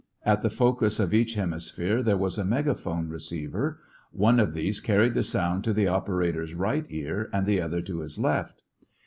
At the focus of each hemisphere there was a megaphone receiver; one of these carried the sound to the operator's right ear and the other to his left.